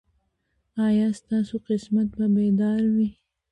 ایا ستاسو قسمت به بیدار وي؟